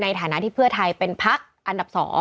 ในฐานะที่เพื่อไทยเป็นพักอันดับ๒